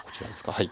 はい。